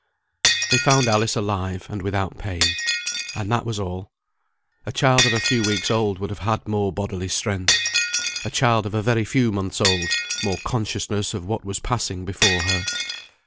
They found Alice alive, and without pain. And that was all. A child of a few weeks old would have had more bodily strength; a child of a very few months old, more consciousness of what was passing before her.